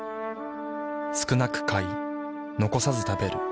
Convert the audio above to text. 少なく買い残さず食べる。